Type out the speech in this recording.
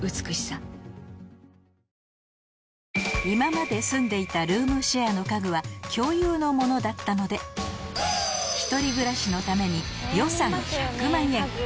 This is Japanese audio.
今まで住んでいたルームシェアの家具は共有のものだったので１人暮らしのために予算１００万円